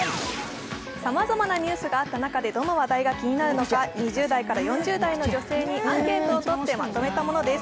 さまざまなニュースがあった中、どの話題が気になるのか２０代から４０代の女性にアンケートをとってまとめたものです。